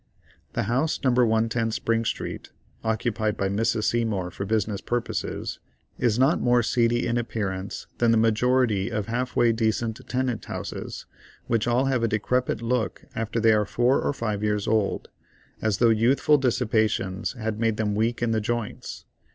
The house No. 110 Spring Street, occupied by Mrs. Seymour for business purposes, is not more seedy in appearance than the majority of half way decent tenant houses, which all have a decrepit look after they are four or five years old, as though youthful dissipations had made them weak in the joints.